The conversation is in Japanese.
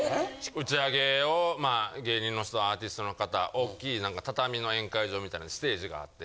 打ち上げをまあ芸人の人アーティストの方大きい畳の宴会場みたいなステージがあって。